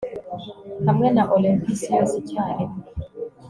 Hamwe na Olympus yose icyarimwe